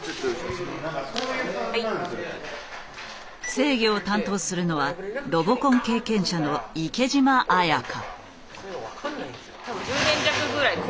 制御を担当するのはロボコン経験者の池嶋彩香。